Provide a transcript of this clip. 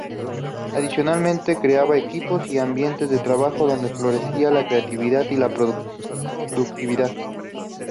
Adicionalmente, creaba equipos y ambientes de trabajo donde florecía la creatividad y la productividad.